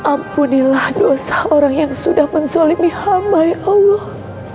ampunilah dosa orang yang sudah menzolimi hamba ya allah